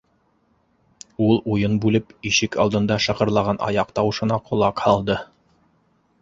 — Ул уйын бүлеп, ишек алдында шығырлаған аяҡ тауышына ҡолаҡ һалды.